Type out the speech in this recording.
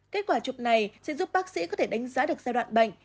kết quả chụp này sẽ giúp bác sĩ có thể đánh giá được giai đoạn bệnh